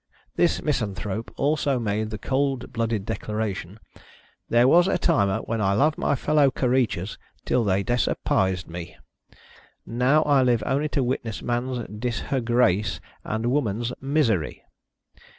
This misan thrope also made the cold blooded declaration, " There was a timer when I loved my fellow keretures tiU they deser pised me. Now, I live only to witness man's disergherace and woman's misery!"